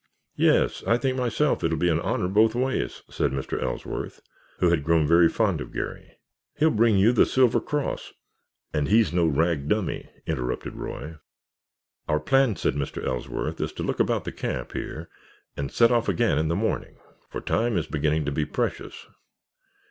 "Yes, I think myself it will be an honor both ways," said Mr. Ellsworth, who had grown very fond of Garry. "He will bring you the Silver Cross——" "And he's no rag dummy," interrupted Roy. "Our plan," said Mr. Ellsworth, "is to look about the camp here and set off again in the morning, for time is beginning to be precious.